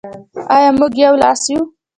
آیا موږ یو لاس یو؟